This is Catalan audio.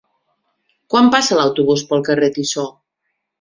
Quan passa l'autobús pel carrer Tissó?